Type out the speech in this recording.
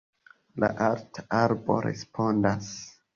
La alta arbo respondas: